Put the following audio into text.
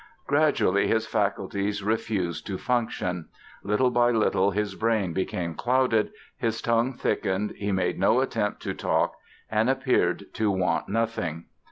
Gradually his faculties refused to function; little by little his brain became clouded, his tongue thickened, he made no attempt to talk and appeared to want nothing.